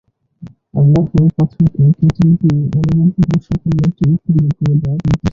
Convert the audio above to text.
আল্লাহ্ ঐ পাথরকে কেটে গিয়ে অনুরূপ গুণসম্পন্ন একটি উটনী বের করে দেয়ার নির্দেশ দেন।